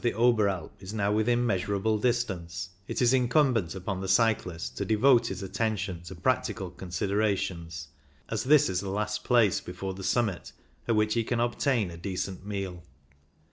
the Oberalp is now within measurable distance, it is incumbent on the cyclist to devote his attention to practical considera tions, as this is the last place before the summit at which he can obtain a decent meal.